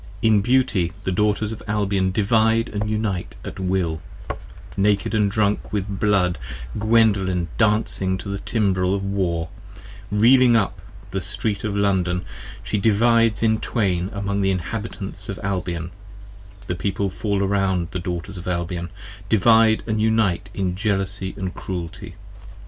66 p. 5 8 IN beauty the Daughters of Albion divide & unite at will: Naked & drunk with blood Gwendolen dancing to the timbrel Of War: reeling up the Street of London she divides in twain, Among the Inhabitants of Albion: the People fall around 5 The Daughters of Albion, divide & unite in jealousy & cruelty.